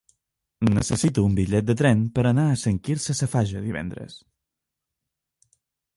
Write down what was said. Necessito un bitllet de tren per anar a Sant Quirze Safaja divendres.